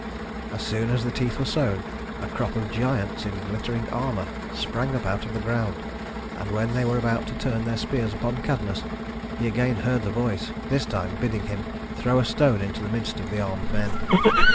As soon as the teeth were sown, a crop of giants in glittering armor sprang up out of the ground, and when they were about to turn their spears upon Cadmus, he again heard the voice this time bidding him throw a stone into the midst of the armed men.